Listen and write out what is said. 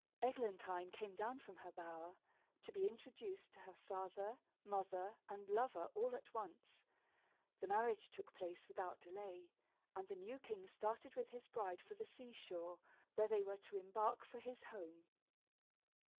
Eglantine came down from her bower, to be introduced to her father, mother, and lover all at once. The marriage took place without delay, and the new king started with his bride for the sea shore, where they were to embark for his home.